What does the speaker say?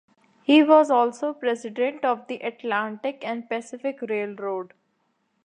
He was also president of the Atlantic and Pacific Railroad.